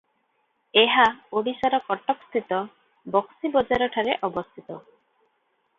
ଏହା ଓଡ଼ିଶାର କଟକସ୍ଥିତ ବକ୍ସି ବଜାରଠାରେ ଅବସ୍ଥିତ ।